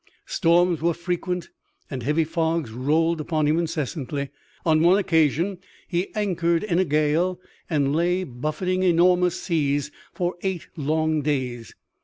Storms were frequent and heavy fogs rolled upon him incessantly. On one occasion he anchored in a gale and lay buffeting enormous seas for eight long days.